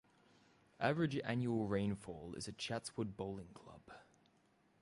Average annual rainfall is at Chatswood Bowling Club.